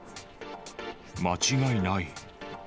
間違いない。